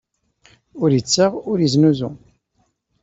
Ur ittaɣ, ur iznuzu.